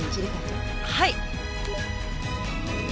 はい。